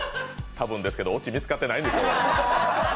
多分ですけどオチ見つかってないな。